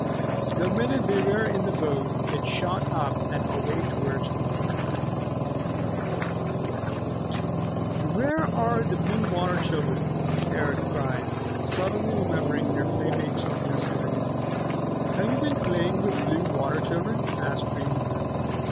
The minute they were in the boat, it shot up and away towards home. "Where are the Blue Water Children?" Eric cried, suddenly remembering their playmates of yesterday. "Have you been playing with Blue Water Children?" asked Tree Mother.